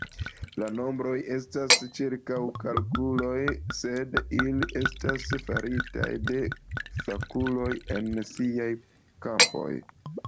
La nombroj estas ĉirkaŭkalkuloj, sed ili estas faritaj de fakuloj en siaj kampoj.